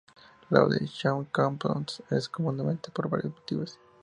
La obra de Jaume Copons es abundante por varios motivos.